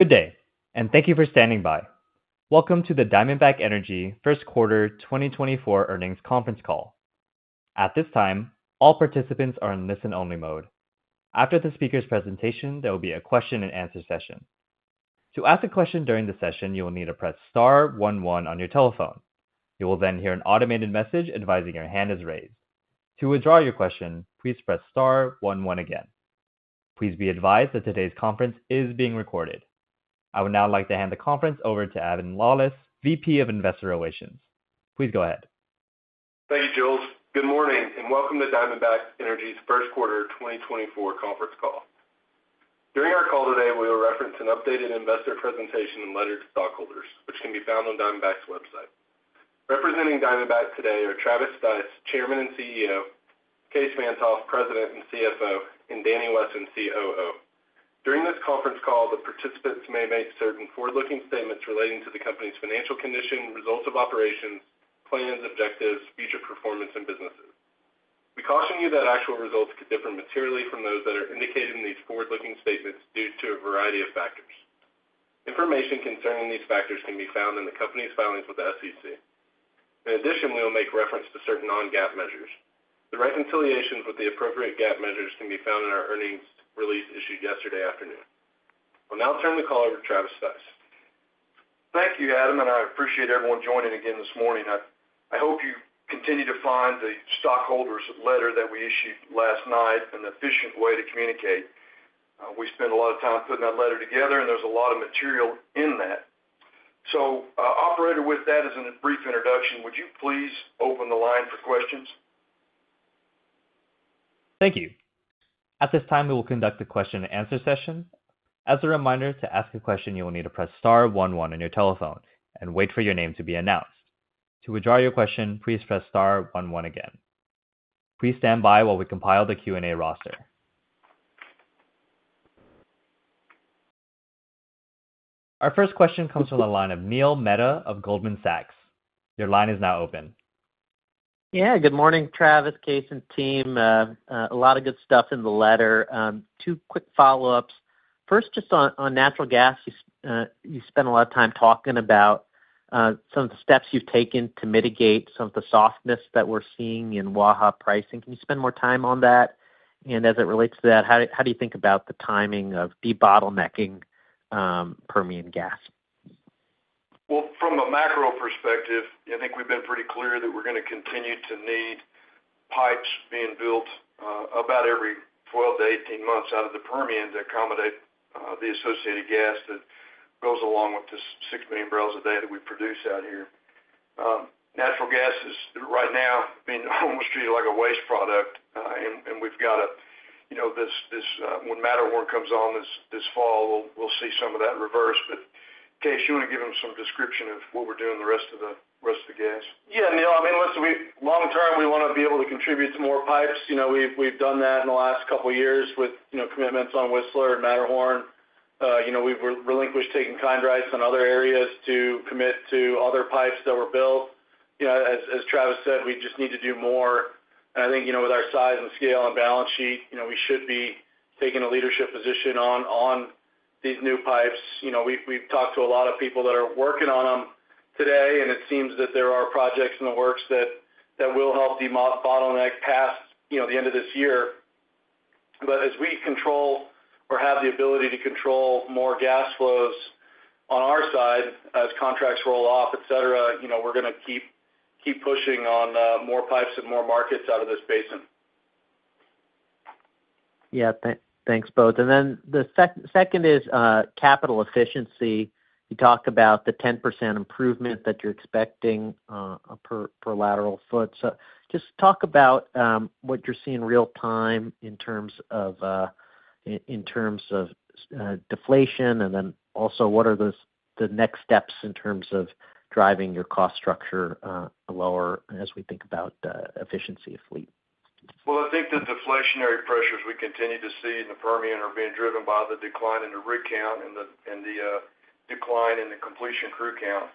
Good day, and thank you for standing by. Welcome to the Diamondback Energy first quarter 2024 earnings conference call. At this time, all participants are in listen-only mode. After the speaker's presentation, there will be a question-and-answer session. To ask a question during the session, you will need to press star one one on your telephone. You will then hear an automated message advising your hand is raised. To withdraw your question, please press star one one again. Please be advised that today's conference is being recorded. I would now like to hand the conference over to Adam Lawlis, VP of Investor Relations. Please go ahead. Thank you, Jules. Good morning, and welcome to Diamondback Energy's first quarter 2024 conference call. During our call today, we will reference an updated investor presentation and letter to stockholders, which can be found on Diamondback's website. Representing Diamondback today are Travis Stice, Chairman and CEO, Kaes Van't Hof, President and CFO, and Danny Wesson, COO. During this conference call, the participants may make certain forward-looking statements relating to the company's financial condition, results of operations, plans, objectives, future performance, and businesses. We caution you that actual results could differ materially from those that are indicated in these forward-looking statements due to a variety of factors. Information concerning these factors can be found in the company's filings with the SEC. In addition, we will make reference to certain non-GAAP measures. The reconciliations with the appropriate GAAP measures can be found in our earnings release issued yesterday afternoon. I'll now turn the call over to Travis Stice. Thank you, Adam, and I appreciate everyone joining again this morning. I hope you continue to find the stockholders' letter that we issued last night an efficient way to communicate. We spent a lot of time putting that letter together, and there's a lot of material in that. So, operator, with that, as a brief introduction, would you please open the line for questions? Thank you. At this time, we will conduct a question-and-answer session. As a reminder, to ask a question, you will need to press star one one on your telephone and wait for your name to be announced. To withdraw your question, please press star one one again. Please stand by while we compile the Q&A roster. Our first question comes from the line of Neil Mehta of Goldman Sachs. Your line is now open. Yeah, good morning, Travis, Kaes, and team. A lot of good stuff in the letter. Two quick follow-ups. First, just on natural gas, you spent a lot of time talking about some of the steps you've taken to mitigate some of the softness that we're seeing in Waha pricing. Can you spend more time on that? And as it relates to that, how do you think about the timing of debottlenecking Permian gas? Well, from a macro perspective, I think we've been pretty clear that we're gonna continue to need pipes being built, about every 12-18 months out of the Permian to accommodate, the associated gas that goes along with this 6 million barrels a day that we produce out here. Natural gas is, right now, being almost treated like a waste product. And we've got to, you know, when Matterhorn comes on this fall, we'll see some of that reverse. But, Kaes, you want to give them some description of what we're doing with the rest of the gas? Yeah, Neil, I mean, listen, we long term, we wanna be able to contribute to more pipes. You know, we've, we've done that in the last couple of years with, you know, commitments on Whistler and Matterhorn. You know, we've relinquished taking in-kind rights on other areas to commit to other pipes that were built. You know, as, as Travis said, we just need to do more. And I think, you know, with our size and scale and balance sheet, you know, we should be taking a leadership position on, on these new pipes. You know, we've, we've talked to a lot of people that are working on them today, and it seems that there are projects in the works that, that will help debottleneck past, you know, the end of this year. But as we control or have the ability to control more gas flows on our side, as contracts roll off, et cetera, you know, we're gonna keep, keep pushing on more pipes and more markets out of this basin. Yeah. Thanks, both. And then the second is, capital efficiency. You talked about the 10% improvement that you're expecting, per lateral foot. So just talk about what you're seeing real time in terms of deflation, and then also, what are the next steps in terms of driving your cost structure lower as we think about efficiency of fleet? Well, I think the deflationary pressures we continue to see in the Permian are being driven by the decline in the rig count and the decline in the completion crew count.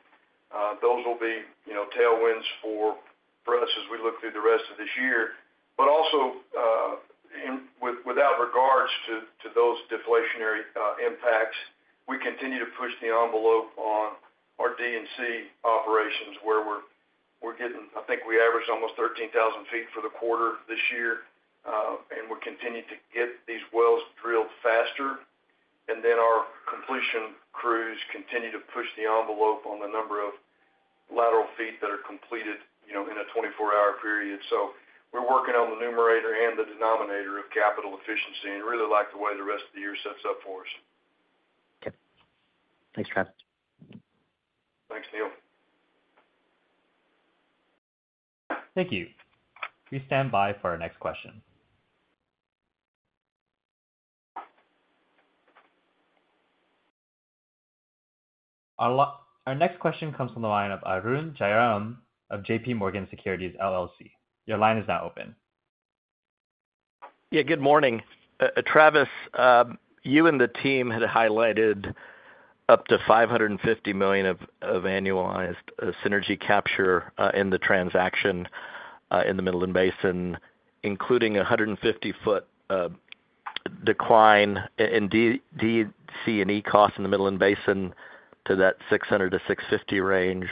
Those will be, you know, tailwinds for us as we look through the rest of this year. But also, without regards to those deflationary impacts, we continue to push the envelope on our D&C operations, where we're getting—I think we averaged almost 13,000 feet for the quarter this year, and we're continuing to get these wells drilled faster. And then our completion crews continue to push the envelope on the number of lateral feet that are completed, you know, in a 24-hour period. We're working on the numerator and the denominator of capital efficiency, and really like the way the rest of the year sets up for us. Okay. Thanks, Travis. Thanks, Neil. Thank you. Please stand by for our next question. Our next question comes from the line of Arun Jayaram of JPMorgan Securities LLC. Your line is now open. Yeah, good morning. Travis, you and the team had highlighted up to $550 million of annualized synergy capture in the transaction in the Midland Basin, including a 150 [inaudible] decline. D&C cost in the Midland Basin to that $600-$650 range.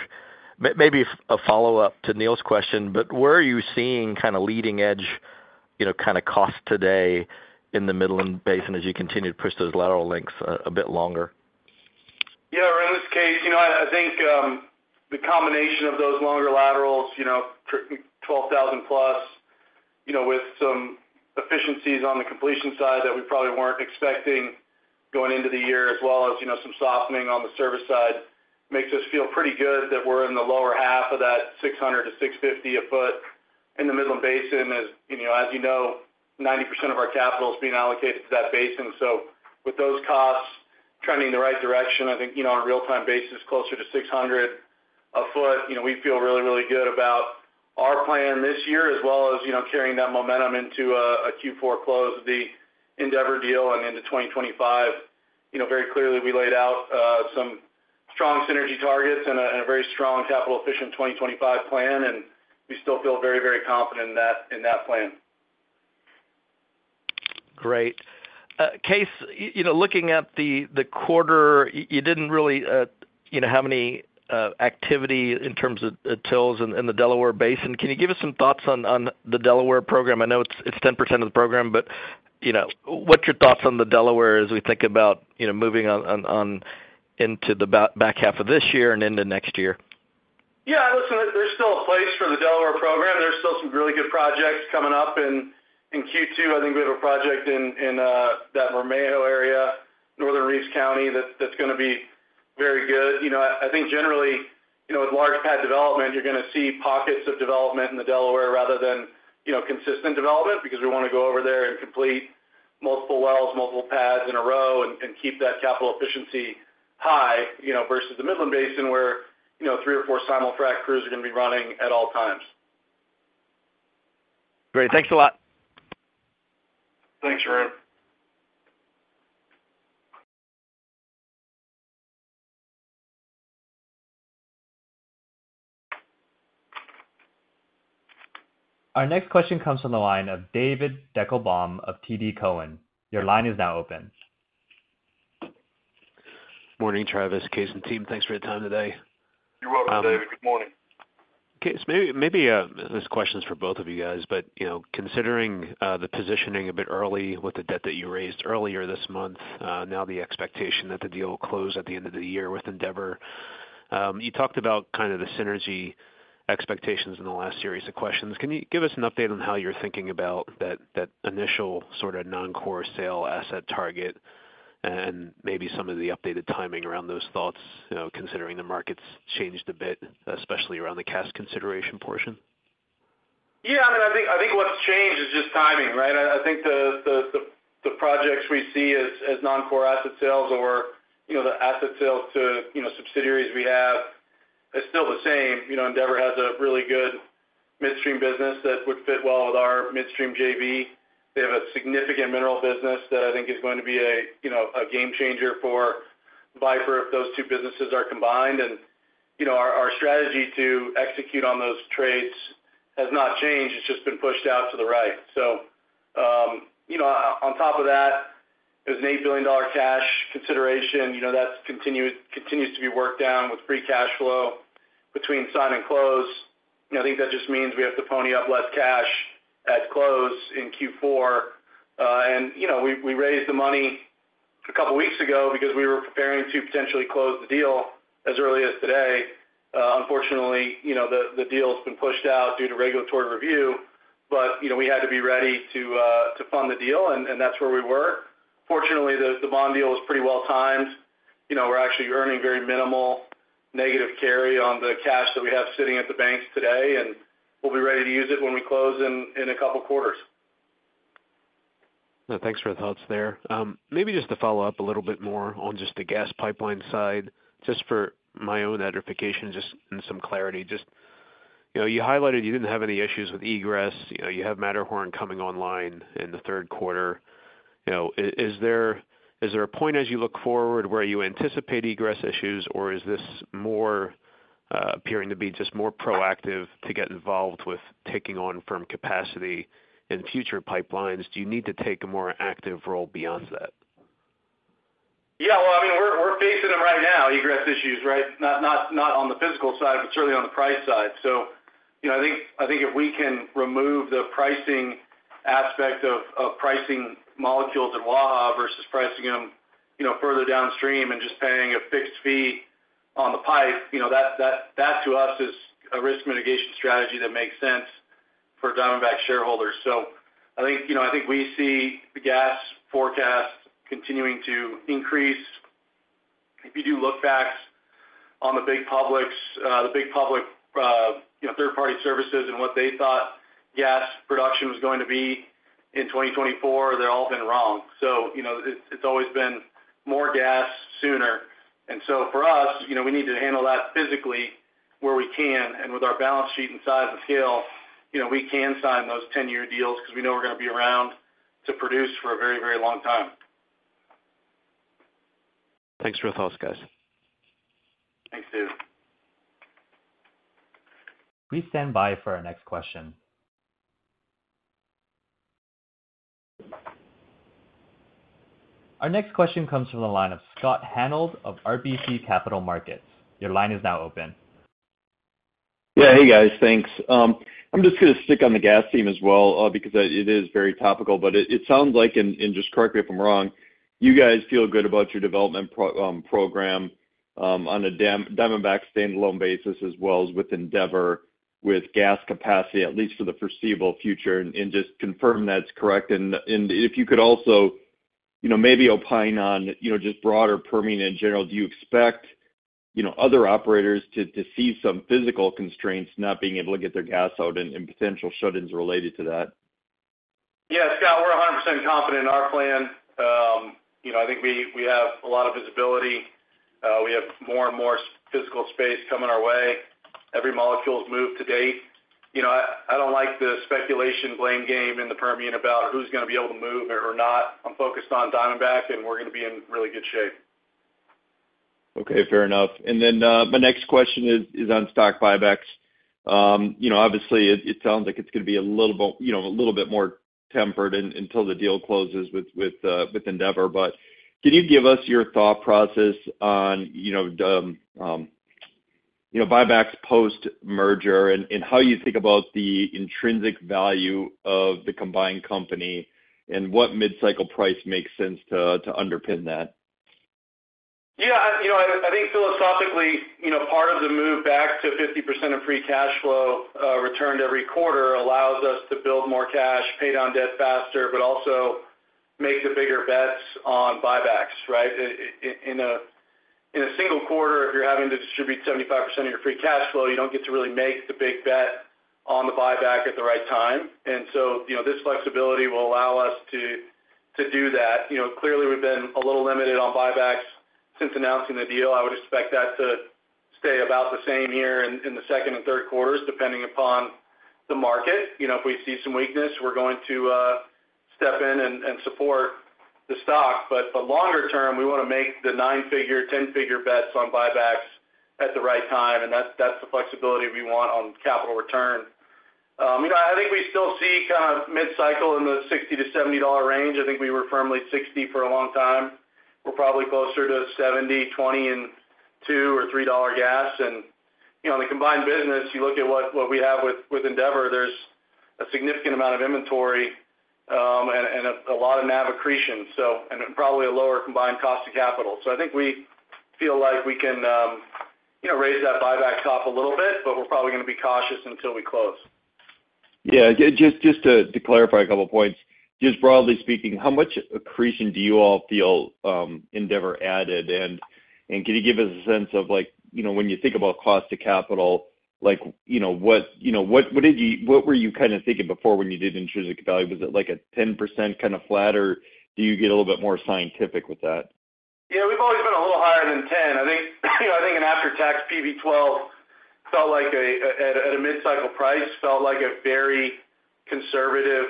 Maybe a follow-up to Neil's question, but where are you seeing kind of leading edge, you know, kind of cost today in the Midland Basin as you continue to push those lateral lengths a bit longer? Yeah, Arun, in this case, you know, I, I think, the combination of those longer laterals, you know, 12,000+, you know, with some efficiencies on the completion side that we probably weren't expecting going into the year, as well as, you know, some softening on the service side, makes us feel pretty good that we're in the lower half of that $600-$650 a foot in the Midland Basin. As, you know, as you know, 90% of our capital is being allocated to that basin. So with those costs trending in the right direction, I think, you know, on a real-time basis, closer to $600 a foot, you know, we feel really, really good about our plan this year, as well as, you know, carrying that momentum into a, a Q4 close with the Endeavor deal and into 2025. You know, very clearly, we laid out some strong synergy targets and a very strong capital efficient 2025 plan, and we still feel very, very confident in that, in that plan. Great. Kaes, you know, looking at the quarter, you didn't really, you know, have any activity in terms of wells in the Delaware Basin. Can you give us some thoughts on the Delaware program? I know it's 10% of the program, but, you know, what's your thoughts on the Delaware as we think about, you know, moving on into the back half of this year and into next year? Yeah, listen, there's still a place for the Delaware program. There's still some really good projects coming up in Q2. I think we have a project in that Romero area, Northern Reeves County, that's gonna be very good. You know, I think generally, you know, with large pad development, you're gonna see pockets of development in the Delaware rather than, you know, consistent development. Because we want to go over there and complete multiple wells, multiple pads in a row and keep that capital efficiency high, you know, versus the Midland Basin, where, you know, three or four simul-frac crews are gonna be running at all times. Great. Thanks a lot. Thanks, Arun. Our next question comes from the line of David Deckelbaum of TD Cowen. Your line is now open. Morning, Travis, Kaes, and team. Thanks for your time today. You're welcome, David. Good morning. Kaes, maybe this question's for both of you guys, but you know, considering the positioning a bit early with the debt that you raised earlier this month, now the expectation that the deal will close at the end of the year with Endeavor. You talked about kind of the synergy expectations in the last series of questions. Can you give us an update on how you're thinking about that initial sort of non-core sale asset target, and maybe some of the updated timing around those thoughts, you know, considering the market's changed a bit, especially around the cash consideration portion? Yeah, I mean, I think, I think what's changed is just timing, right? I think the projects we see as non-core asset sales or, you know, the asset sales to, you know, subsidiaries we have, it's still the same. You know, Endeavor has a really good midstream business that would fit well with our midstream JV. They have a significant mineral business that I think is going to be a, you know, a game changer for Viper if those two businesses are combined. And, you know, our strategy to execute on those trades has not changed. It's just been pushed out to the right. So, you know, on top of that, there's an $8 billion cash consideration. You know, that's continues to be worked down with free cash flow between sign and close. You know, I think that just means we have to pony up less cash at close in Q4. You know, we raised the money a couple weeks ago because we were preparing to potentially close the deal as early as today. Unfortunately, you know, the deal's been pushed out due to regulatory review, but you know, we had to be ready to fund the deal, and that's where we were. Fortunately, the bond deal was pretty well timed. You know, we're actually earning very minimal negative carry on the cash that we have sitting at the banks today, and we'll be ready to use it when we close in a couple quarters. Thanks for the thoughts there. Maybe just to follow up a little bit more on just the gas pipeline side, just for my own edification, and some clarity. Just, you know, you highlighted you didn't have any issues with egress. You know, you have Matterhorn coming online in the third quarter. You know, is there a point as you look forward, where you anticipate egress issues, or is this more appearing to be just more proactive to get involved with taking on firm capacity in future pipelines? Do you need to take a more active role beyond that? Yeah, well, I mean, we're facing them right now, egress issues, right? Not, not, not on the physical side, but certainly on the price side. So, you know, I think if we can remove the pricing aspect of pricing molecules in Waha versus pricing them, you know, further downstream and just paying a fixed fee on the pipe, you know, that to us is a risk mitigation strategy that makes sense for Diamondback shareholders. So I think, you know, I think we see the gas forecast continuing to increase. If you do look backs on the big publics, the big public, you know, third-party services and what they thought gas production was going to be in 2024, they've all been wrong. So, you know, it's always been more gas sooner. And so for us, you know, we need to handle that physically where we can, and with our balance sheet and size of scale, you know, we can sign those ten-year deals because we know we're gonna be around to produce for a very, very long time.... Thanks for your thoughts, guys. Thanks, David. Please stand by for our next question. Our next question comes from the line of Scott Hanold of RBC Capital Markets. Your line is now open. Yeah. Hey, guys, thanks. I'm just gonna stick on the gas theme as well, because it is very topical, but it sounds like, and just correct me if I'm wrong, you guys feel good about your development program on a Diamondback standalone basis, as well as with Endeavor, with gas capacity, at least for the foreseeable future, and just confirm that's correct. If you could also, you know, maybe opine on, you know, just broader Permian in general. Do you expect, you know, other operators to see some physical constraints not being able to get their gas out and potential shut-ins related to that? Yeah, Scott, we're 100% confident in our plan. You know, I think we have a lot of visibility. We have more and more physical space coming our way. Every molecule's moved to date. You know, I don't like the speculation blame game in the Permian about who's gonna be able to move or not. I'm focused on Diamondback, and we're gonna be in really good shape. Okay, fair enough. And then, my next question is on stock buybacks. You know, obviously, it sounds like it's gonna be a little bit, you know, a little bit more tempered until the deal closes with Endeavor. But can you give us your thought process on, you know, the buybacks post-merger, and how you think about the intrinsic value of the combined company, and what mid-cycle price makes sense to underpin that? Yeah, you know, I think philosophically, you know, part of the move back to 50% of free cash flow returned every quarter allows us to build more cash, pay down debt faster, but also make the bigger bets on buybacks, right? In a single quarter, if you're having to distribute 75% of your free cash flow, you don't get to really make the big bet on the buyback at the right time. And so, you know, this flexibility will allow us to do that. You know, clearly, we've been a little limited on buybacks since announcing the deal. I would expect that to stay about the same here in the second and third quarters, depending upon the market. You know, if we see some weakness, we're going to step in and support the stock. But, but longer term, we want to make the nine-figure, ten-figure bets on buybacks at the right time, and that's, that's the flexibility we want on capital return. You know, I think we still see kind of mid-cycle in the $60-$70 range. I think we were firmly $60 for a long time. We're probably closer to $70, $20, and $2-$3 gas. And, you know, in the combined business, you look at what, what we have with, with Endeavor, there's a significant amount of inventory, and, and a, a lot of NAV accretion, so... And probably a lower combined cost to capital. So I think we feel like we can, you know, raise that buyback top a little bit, but we're probably gonna be cautious until we close. Yeah, just to clarify a couple points. Just broadly speaking, how much accretion do you all feel Endeavor added? And can you give us a sense of, like, you know, when you think about cost to capital, like, you know, what were you kind of thinking before when you did intrinsic value? Was it, like, a 10% kind of flat, or do you get a little bit more scientific with that? Yeah, we've always been a little higher than 10. I think, you know, I think an after-tax PV-12 felt like at a mid-cycle price, felt like a very conservative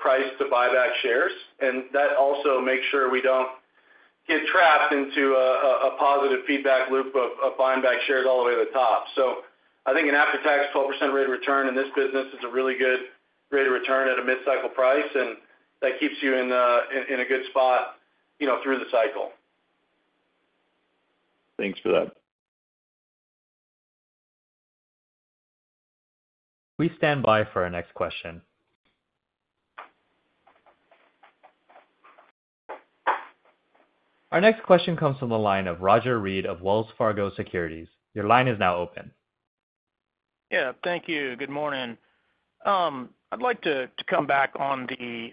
price to buy back shares. And that also makes sure we don't get trapped into a positive feedback loop of buying back shares all the way to the top. So I think an after-tax 12% rate of return in this business is a really good rate of return at a mid-cycle price, and that keeps you in a good spot, you know, through the cycle. Thanks for that. Please stand by for our next question. Our next question comes from the line of Roger Read of Wells Fargo Securities. Your line is now open. Yeah. Thank you. Good morning. I'd like to come back on the,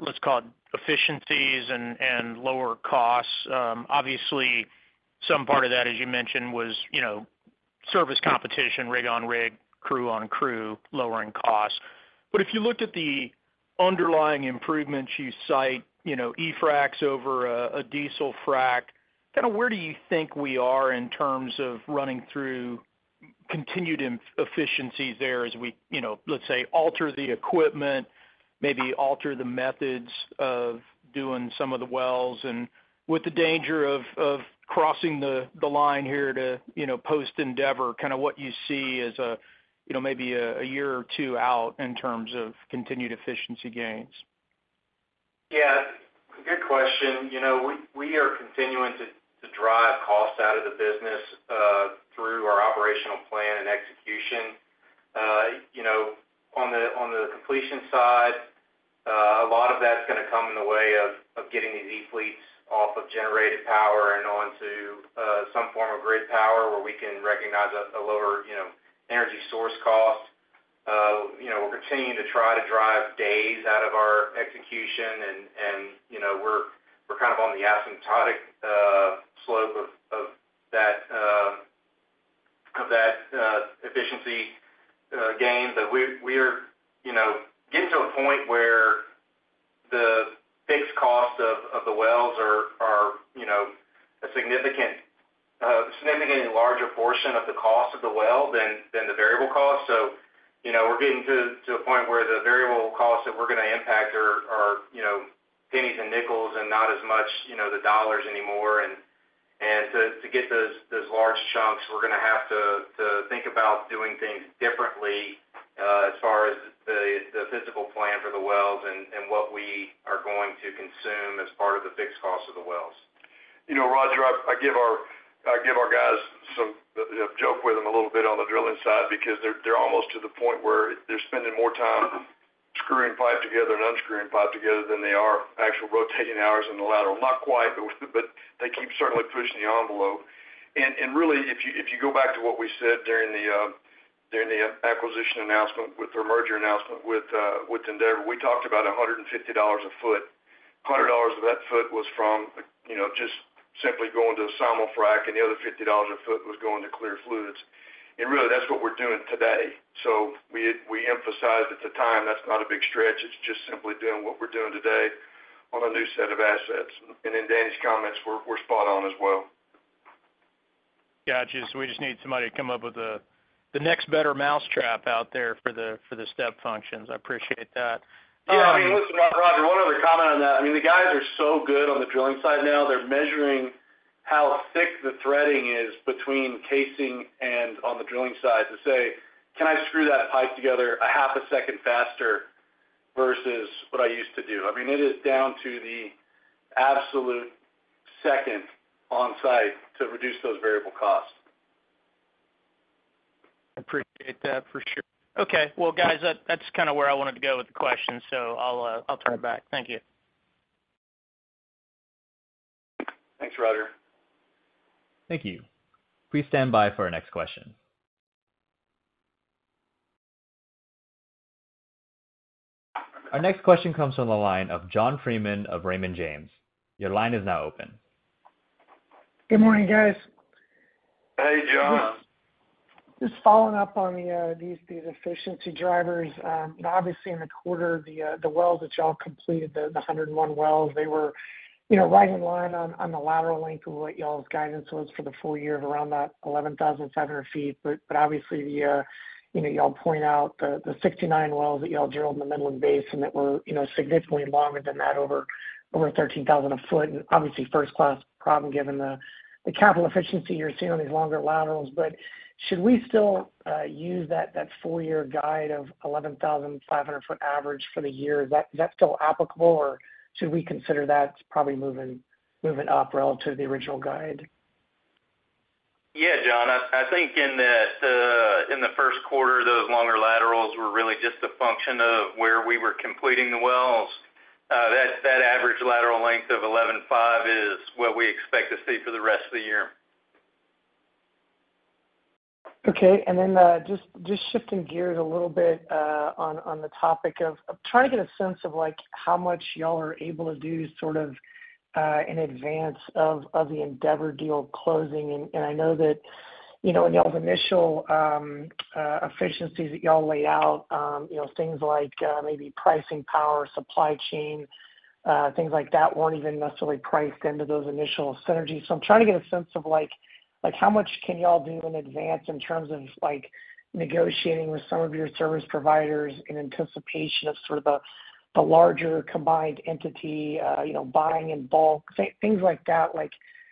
let's call it efficiencies and lower costs. Obviously, some part of that, as you mentioned, was, you know, service competition, rig on rig, crew on crew, lowering costs. But if you looked at the underlying improvements you cite, you know, E-fracs over a diesel frac, kind of where do you think we are in terms of running through continued inefficiencies there as we, you know, let's say, alter the equipment, maybe alter the methods of doing some of the wells? And with the danger of crossing the line here to, you know, post-Endeavor, kind of what you see as a, you know, maybe a year or two out in terms of continued efficiency gains. Yeah, good question. You know, we are continuing to drive costs out of the business through our operational plan and execution. You know, on the completion side, a lot of that's gonna come in the way of getting these E-frac fleets off of generated power and onto some form of grid power, where we can recognize a lower energy source cost. You know, we're continuing to try to drive days out of our execution, and you know, we're kind of on the asymptotic slope of that efficiency gain. But we are getting to a point where the fixed cost of the wells are a significant and larger portion of the cost of the well than the variable cost. So, you know, we're getting to a point where the variable costs that we're gonna impact are, you know, pennies and nickels and not as much, you know, the dollars anymore. And to get those large chunks, we're gonna have to think about doing things differently, as far as the physical plan for the wells and what we are going to consume as part of the fixed cost of the wells. You know, Roger, I give our guys some, you know, joke with them a little bit on the drilling side because they're almost to the point where they're spending more time screwing pipe together and unscrewing pipe together than they are actual rotating hours in the lateral. Not quite, but they keep certainly pushing the envelope. And really, if you go back to what we said during the acquisition announcement with the merger announcement with Endeavor, we talked about $150 a foot. $100 of that foot was from, you know, just simply going to the simul-frac, and the other $50 a foot was going to clear fluids. And really, that's what we're doing today. So we emphasized at the time, that's not a big stretch, it's just simply doing what we're doing today on a new set of assets. And then Danny's comments were spot on as well. Gotcha. So we just need somebody to come up with the next better mousetrap out there for the step functions. I appreciate that. Yeah, I mean, listen, Roger, one other comment on that. I mean, the guys are so good on the drilling side now. They're measuring how thick the threading is between casing and on the drilling side to say: Can I screw that pipe together a half a second faster versus what I used to do? I mean, it is down to the absolute second on site to reduce those variable costs. I appreciate that, for sure. Okay, well, guys, that's kind of where I wanted to go with the question, so I'll turn it back. Thank you. Thanks, Roger. Thank you. Please stand by for our next question. Our next question comes from the line of John Freeman of Raymond James. Your line is now open. Good morning, guys. Hey, John. Just following up on these efficiency drivers. Obviously, in the quarter, the wells that y'all completed, the 101 wells, they were, you know, right in line on the lateral length of what y'all's guidance was for the full year of around about 11,700 feet. But obviously, you know, y'all point out the 69 wells that y'all drilled in the Midland Basin, and that were, you know, significantly longer than that, over 13,000 feet. And obviously, first-class problem, given the capital efficiency you're seeing on these longer laterals. But should we still use that full year guide of 11,500-foot average for the year? Is that still applicable, or should we consider that probably moving up relative to the original guide? Yeah, John, I think in the first quarter, those longer laterals were really just a function of where we were completing the wells. That average lateral length of 11,500 is what we expect to see for the rest of the year. Okay. Then, just shifting gears a little bit, on the topic of—I'm trying to get a sense of, like, how much y'all are able to do, sort of, in advance of the Endeavor deal closing. I know that, you know, in y'all's initial efficiencies that y'all laid out, you know, things like, maybe pricing power, supply chain, things like that weren't even necessarily priced into those initial synergies. So I'm trying to get a sense of like, how much can y'all do in advance in terms of like, negotiating with some of your service providers in anticipation of sort of the larger combined entity, you know, buying in bulk, things like that? Like,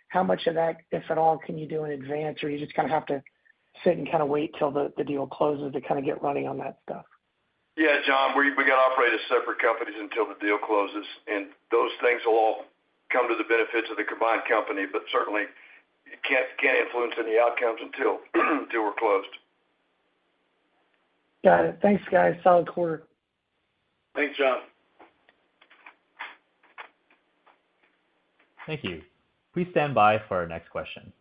how much of that, if at all, can you do in advance, or you just kinda have to sit and kind of wait till the deal closes to kind of get running on that stuff? Yeah, John, we got to operate as separate companies until the deal closes, and those things will all come to the benefits of the combined company, but certainly, you can't influence any outcomes until we're closed. Got it. Thanks, guys. Solid quarter. Thanks, John. Thank you. Please stand by for our next question.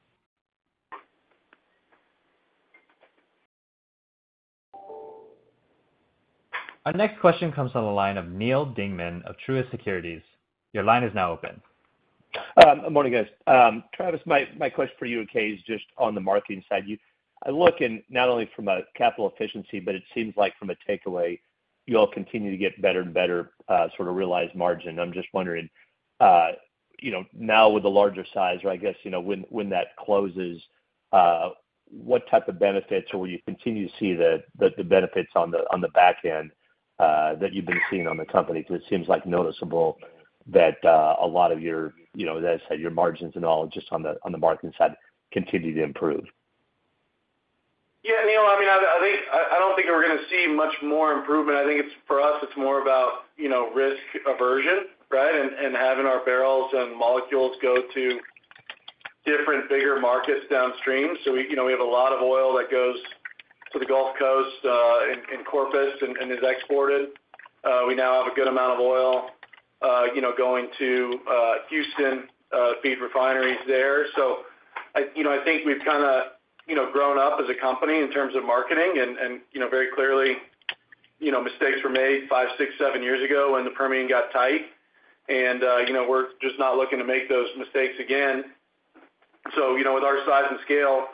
Our next question comes from the line of Neal Dingman of Truist Securities. Your line is now open. Good morning, guys. Travis, my question for you in case, just on the marketing side, you—I look and not only from a capital efficiency, but it seems like from a takeaway, you all continue to get better and better, sort of realized margin. I'm just wondering, you know, now with the larger size or I guess, you know, when that closes, what type of benefits, or will you continue to see the benefits on the back end that you've been seeing on the company? Because it seems like noticeable that a lot of your, you know, as I said, your margins and all, just on the marketing side, continue to improve. Yeah, Neil, I mean, I think, I don't think we're gonna see much more improvement. I think it's, for us, it's more about, you know, risk aversion, right? And having our barrels and molecules go to different, bigger markets downstream. So we, you know, we have a lot of oil that goes to the Gulf Coast, in Corpus and is exported. We now have a good amount of oil, you know, going to Houston feed refineries there. So, you know, I think we've kinda grown up as a company in terms of marketing and, you know, very clearly, you know, mistakes were made five, six, seven years ago when the Permian got tight. And, you know, we're just not looking to make those mistakes again. So, you know, with our size and scale,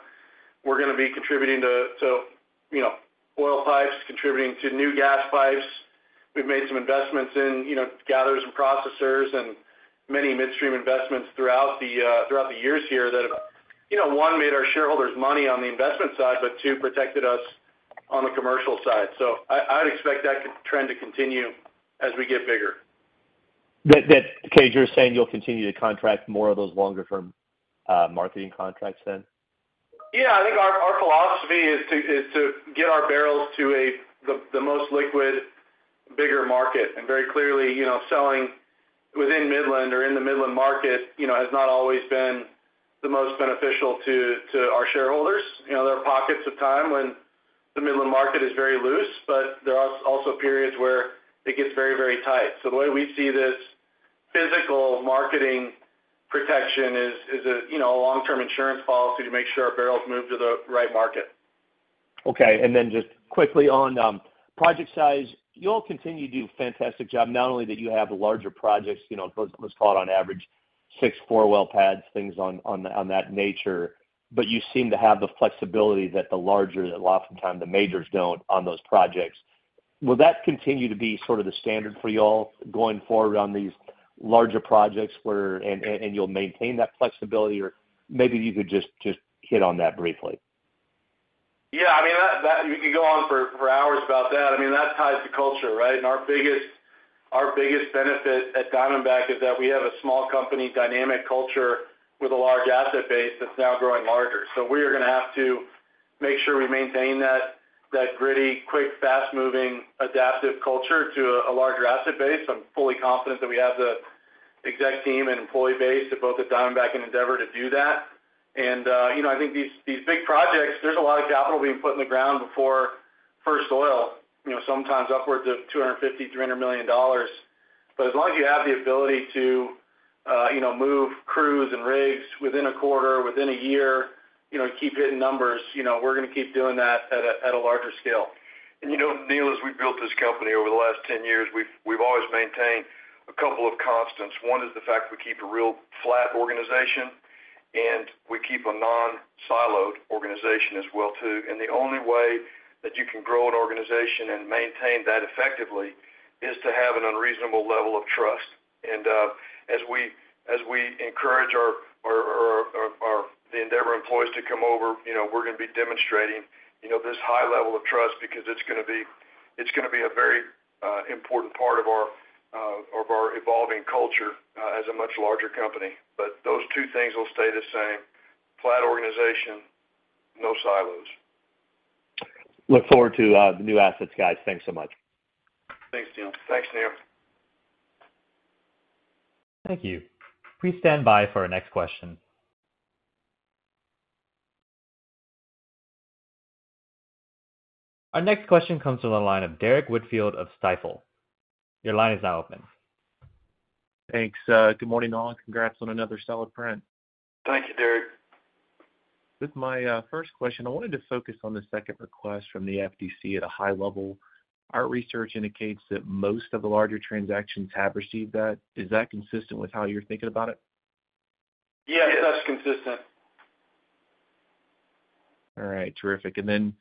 we're gonna be contributing to, you know, oil pipes, contributing to new gas pipes.... We've made some investments in, you know, gatherers and processors and many midstream investments throughout the, throughout the years here that have, you know, one, made our shareholders money on the investment side, but two, protected us on the commercial side. So I'd expect that trend to continue as we get bigger. Okay, so you're saying you'll continue to contract more of those longer term marketing contracts then? Yeah, I think our philosophy is to get our barrels to the most liquid, bigger market. And very clearly, you know, selling within Midland or in the Midland market, you know, has not always been the most beneficial to our shareholders. You know, there are pockets of time when the Midland market is very loose, but there are also periods where it gets very, very tight. So the way we see this physical marketing protection is a long-term insurance policy to make sure our barrels move to the right market. Okay. And then just quickly on project size, you all continue to do a fantastic job. Not only that you have larger projects, you know, let's call it on average, 6 four-well pads, things of that nature, but you seem to have the flexibility that the larger, oftentimes, the majors don't on those projects. Will that continue to be sort of the standard for you all going forward on these larger projects, where... you'll maintain that flexibility? Or maybe you could just hit on that briefly. Yeah, I mean, that we could go on for hours about that. I mean, that ties to culture, right? And our biggest benefit at Diamondback is that we have a small company dynamic culture with a large asset base that's now growing larger. So we are going to have to make sure we maintain that gritty, quick, fast-moving, adaptive culture to a larger asset base. I'm fully confident that we have the exec team and employee base to both at Diamondback and Endeavor to do that. And, you know, I think these big projects, there's a lot of capital being put in the ground before first oil, you know, sometimes upwards of $250 million-$300 million. But as long as you have the ability to, you know, move crews and rigs within a quarter, within a year, you know, to keep hitting numbers, you know, we're going to keep doing that at a, at a larger scale. You know, Neil, as we've built this company over the last 10 years, we've always maintained a couple of constants. One is the fact that we keep a real flat organization, and we keep a non-siloed organization as well, too. The only way that you can grow an organization and maintain that effectively is to have an unreasonable level of trust. As we encourage our.... the Endeavor employees to come over, you know, we're going to be demonstrating, you know, this high level of trust because it's going to be a very important part of our evolving culture as a much larger company. But those two things will stay the same: flat organization, no silos. Look forward to the new assets, guys. Thanks so much. Thanks, Neil. Thanks, Neil. Thank you. Please stand by for our next question. Our next question comes from the line of Derrick Whitfield of Stifel. Your line is now open. Thanks. Good morning, all. Congrats on another solid print. Thank you, Derrick. With my first question, I wanted to focus on the second request from the FTC at a high level. Our research indicates that most of the larger transactions have received that. Is that consistent with how you're thinking about it? Yes, that's consistent. All right, terrific. And then,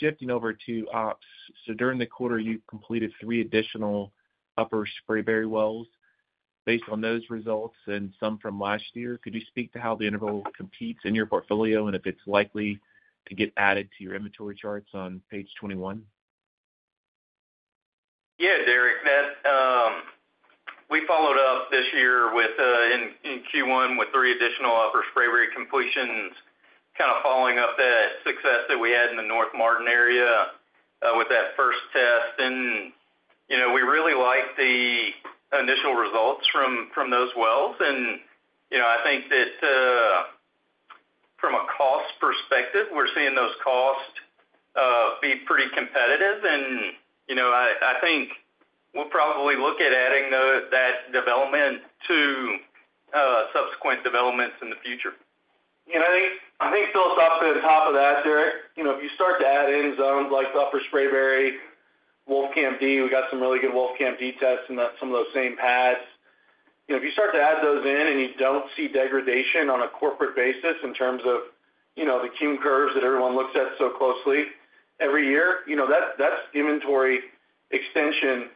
shifting over to ops. So during the quarter, you completed three additional Upper Spraberry wells. Based on those results and some from last year, could you speak to how the interval competes in your portfolio and if it's likely to get added to your inventory charts on page 21? Yeah, Derrick, that we followed up this year with in Q1 with three additional Upper Spraberry completions, kind of following up that success that we had in the North Martin area with that first test. And, you know, we really like the initial results from those wells. And, you know, I think that from a cost perspective, we're seeing those costs be pretty competitive. And, you know, I think we'll probably look at adding that development to subsequent developments in the future. I think, I think philosophically, on top of that, Derrick, you know, if you start to add in zones like the Upper Spraberry, Wolfcamp D, we got some really good Wolfcamp D tests in that some of those same pads. You know, if you start to add those in and you don't see degradation on a corporate basis in terms of, you know, the cum curves that everyone looks at so closely every year, you know, that's, that's inventory extension,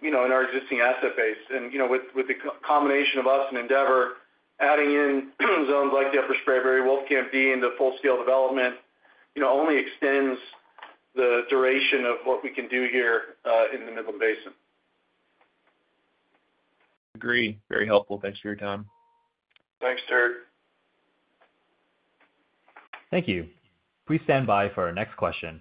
you know, in our existing asset base. And, you know, with, with the combination of us and Endeavor, adding in zones like the Upper Spraberry, Wolfcamp D into full-scale development, you know, only extends the duration of what we can do here, in the Midland Basin. Agree. Very helpful. Thanks for your time. Thanks, Derek. Thank you. Please stand by for our next question.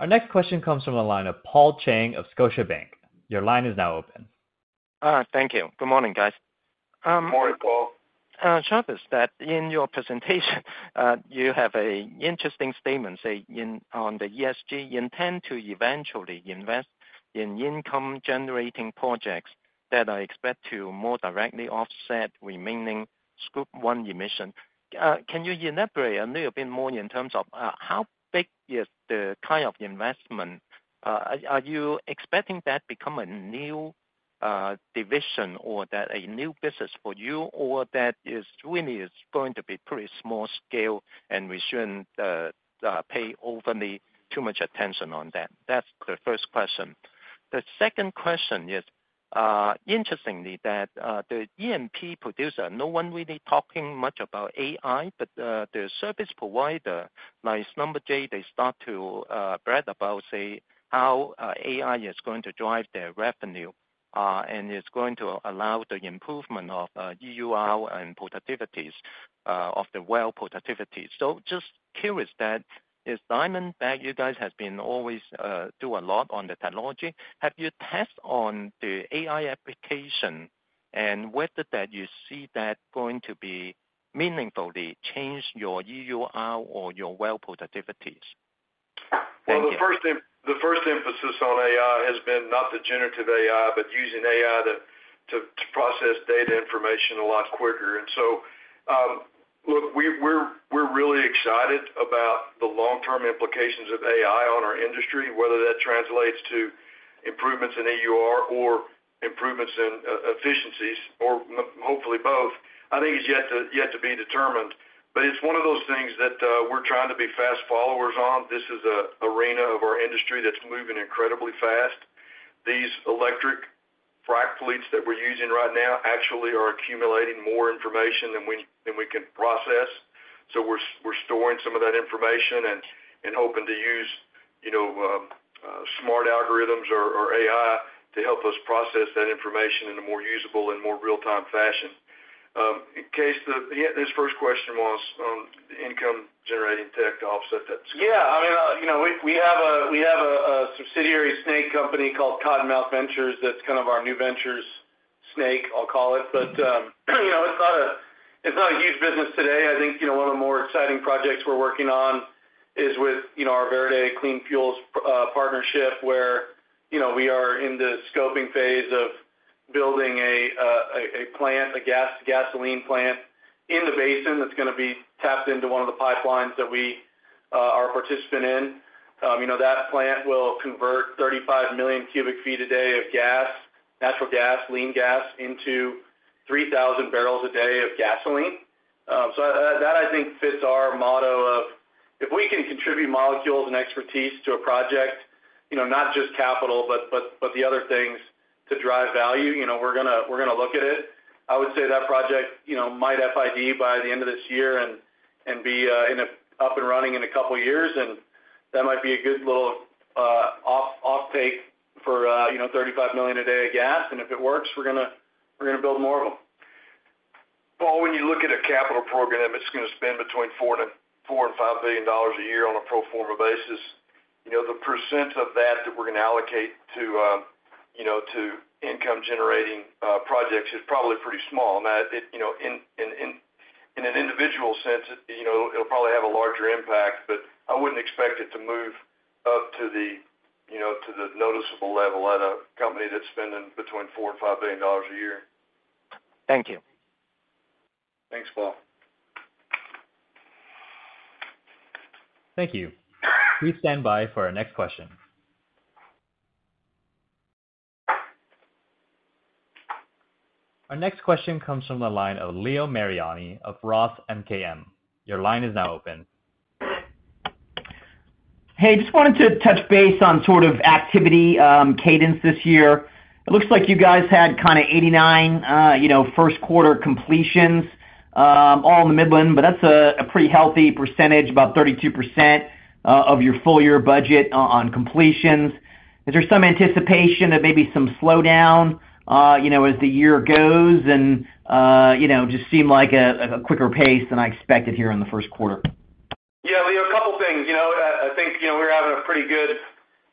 Our next question comes from the line of Paul Cheng of Scotiabank. Your line is now open. Thank you. Good morning, guys. Good morning, Paul. Travis, in your presentation, you have an interesting statement saying on the ESG, you intend to eventually invest in income-generating projects that are expect to more directly offset remaining Scope 1 emission. Can you elaborate a little bit more in terms of how big is the kind of investment? Are you expecting that become a new division or that a new business for you, or that is really going to be pretty small scale, and we shouldn't pay overly too much attention on that? That's the first question. The second question is, interestingly, the E&P producer, no one really talking much about AI, but the service provider, like Schlumberger, they start to brag about, say, how AI is going to drive their revenue, and it's going to allow the improvement of EUR and productivities of the well productivities. So just curious that, as Diamondback, you guys have been always do a lot on the technology. Have you tested on the AI application, and whether that you see that going to be meaningfully change your EUR or your well productivities? Well, the first emphasis on AI has been not the generative AI, but using AI to process data information a lot quicker. And so, look, we're really excited about the long-term implications of AI on our industry, whether that translates to improvements in EUR or improvements in efficiencies, or hopefully both, I think it's yet to be determined. But it's one of those things that we're trying to be fast followers on. This is an arena of our industry that's moving incredibly fast. These electric frac fleets that we're using right now actually are accumulating more information than we can process. So we're storing some of that information and hoping to use, you know, smart algorithms or AI to help us process that information in a more usable and more real-time fashion. In case the, his first question was on income-generating tech, to offset that. Yeah, I mean, you know, we have a subsidiary snake company called Cottonmouth Ventures. That's kind of our new ventures snake, I'll call it. But, you know, it's not a huge business today. I think, you know, one of the more exciting projects we're working on is with our Verde Clean Fuels partnership, where, you know, we are in the scoping phase of building a gas-to-gasoline plant in the basin that's gonna be tapped into one of the pipelines that we are a participant in. You know, that plant will convert 35 million cubic feet a day of gas, natural gas, lean gas, into 3,000 barrels a day of gasoline. So that, I think, fits our motto of, if we can contribute molecules and expertise to a project, you know, not just capital, but the other things to drive value, you know, we're gonna, we're gonna look at it. I would say that project, you know, might FID by the end of this year and be up and running in a couple of years, and that might be a good little offtake for, you know, 35 million a day of gas. And if it works, we're gonna, we're gonna build more of them. Paul, when you look at a capital program, it's gonna spend between $4-$5 billion a year on a pro forma basis. You know, the percent of that that we're gonna allocate to, you know, to income-generating projects is probably pretty small. Now, it, you know, in, in, in an individual sense, it, you know, it'll probably have a larger impact, but I wouldn't expect it to move up to the, you know, to the noticeable level at a company that's spending between $4-$5 billion a year. Thank you. Thanks, Paul. Thank you. Please stand by for our next question. Our next question comes from the line of Leo Mariani of Roth MKM. Your line is now open. Hey, just wanted to touch base on sort of activity, cadence this year. It looks like you guys had kind of 89, you know, first quarter completions, all in the Midland, but that's a, a pretty healthy percentage, about 32%, of your full year budget on completions. Is there some anticipation that maybe some slowdown, you know, as the year goes and, you know, just seem like a, like a quicker pace than I expected here in the first quarter? Yeah, Leo, a couple of things. You know, I think, you know, we're having a pretty good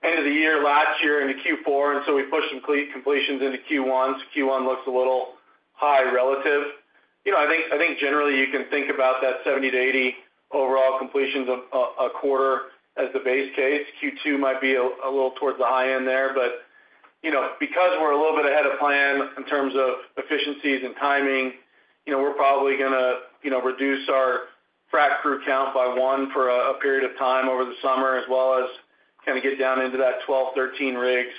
end of the year last year into Q4, and so we pushed some completions into Q1. Q1 looks a little high relative. You know, I think generally you can think about that 70-80 overall completions of a quarter as the base case. Q2 might be a little towards the high end there, but, you know, because we're a little bit ahead of plan in terms of efficiencies and timing, you know, we're probably gonna, you know, reduce our frac crew count by one for a period of time over the summer, as well as kind of get down into that 12-13 rigs,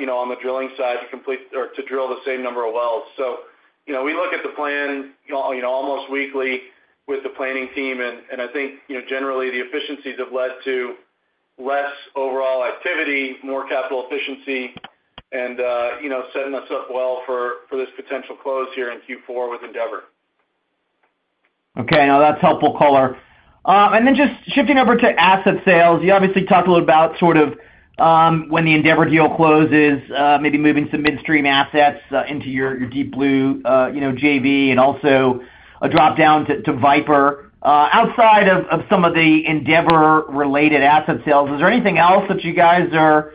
you know, on the drilling side to complete or to drill the same number of wells. So, you know, we look at the plan, you know, almost weekly with the planning team, and I think, you know, generally the efficiencies have led to less overall activity, more capital efficiency, and, you know, setting us up well for this potential close here in Q4 with Endeavor. Okay, now that's helpful color. And then just shifting over to asset sales, you obviously talked a little about sort of, when the Endeavor deal closes, maybe moving some midstream assets, into your Deep Blue, you know, JV, and also a dropdown to Viper. Outside of some of the Endeavor-related asset sales, is there anything else that you guys are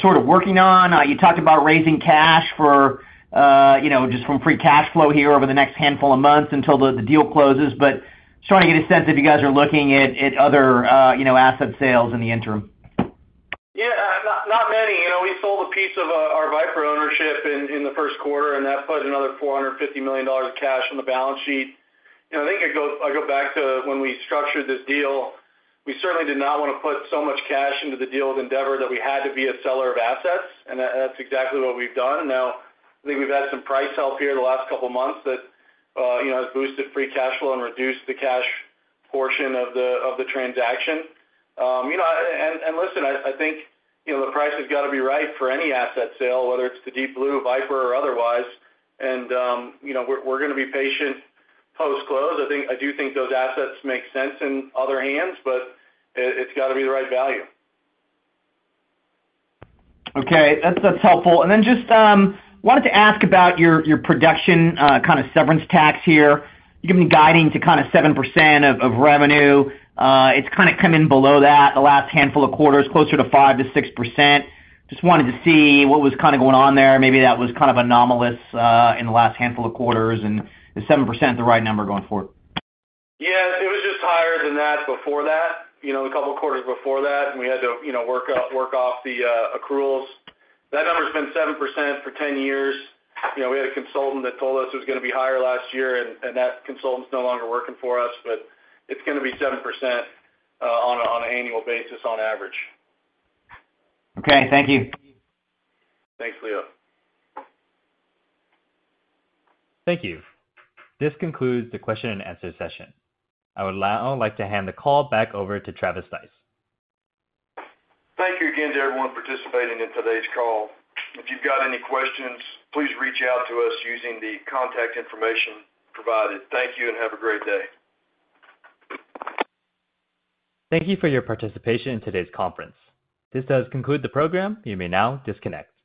sort of working on? You talked about raising cash for, you know, just from free cash flow here over the next handful of months until the deal closes. But just want to get a sense if you guys are looking at other, you know, asset sales in the interim. Yeah, not many. You know, we sold a piece of Viper Energy in the first quarter, and that put another $450 million of cash on the balance sheet. You know, I think it goes, I go back to when we structured this deal, we certainly did not want to put so much cash into the deal with Endeavor, that we had to be a seller of assets, and that's exactly what we've done. Now, I think we've had some price help here the last couple of months that, you know, has boosted free cash flow and reduced the cash portion of the transaction. You know, and listen, I think, you know, the price has got to be right for any asset sale, whether it's to Deep Blue, Viper, or otherwise. You know, we're gonna be patient post-close. I think, I do think those assets make sense in other hands, but it's got to be the right value. Okay, that's helpful. And then just wanted to ask about your production kind of severance tax here. You've given me guidance to kind of 7% of revenue. It's kind of come in below that the last handful of quarters, closer to 5%-6%. Just wanted to see what was kind of going on there. Maybe that was kind of anomalous in the last handful of quarters, and if 7% is the right number going forward. Yeah, it was just higher than that before that, you know, a couple of quarters before that, and we had to, you know, work off the accruals. That number has been 7% for 10 years. You know, we had a consultant that told us it was gonna be higher last year, and that consultant is no longer working for us, but it's gonna be 7%, on an annual basis on average. Okay, thank you. Thanks, Leo. Thank you. This concludes the question and answer session. I would now like to hand the call back over to Travis Stice. Thank you again to everyone participating in today's call. If you've got any questions, please reach out to us using the contact information provided. Thank you, and have a great day. Thank you for your participation in today's conference. This does conclude the program. You may now disconnect.